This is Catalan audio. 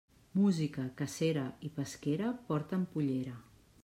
Música, cacera i pesquera porten pollera.